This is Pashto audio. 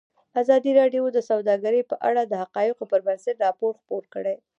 ازادي راډیو د سوداګري په اړه د حقایقو پر بنسټ راپور خپور کړی.